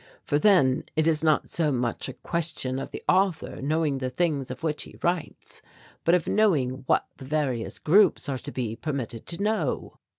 For then it is not so much a question of the author knowing the things of which he writes but of knowing what the various groups are to be permitted to know.